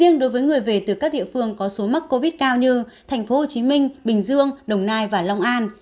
riêng đối với người về từ các địa phương có số mắc covid cao như tp hcm bình dương đồng nai và long an